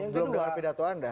belum dengar pidato anda